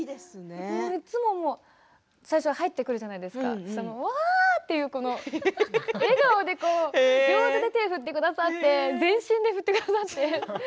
いつも最初入ってくるじゃないですかうわあって笑顔で両手で手を振ってくださって全身で振ってくださって。